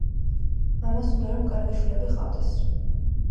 Მამას უნდა რომ კარგი შვილები ჰყავდეს